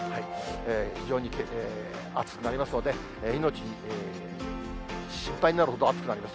非常に暑くなりますので、命に心配になるほど暑くなります。